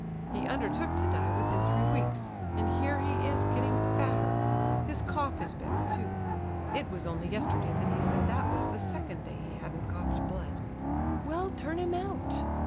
He undertook to die within three weeks, and here he is getting fatter. His cough is better, too. It was only yesterday that he said that was the second day he hadn't coughed blood." "Well, turn him out!"